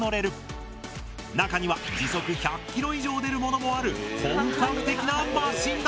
中には時速１００ｋｍ以上出るものもある本格的なマシンだ。